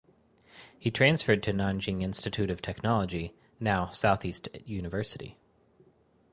He transferred to Nanjing Institute of Technology (now Southeast University).